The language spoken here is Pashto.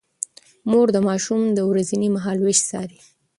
مور د ماشوم د ورځني مهالوېش څاري.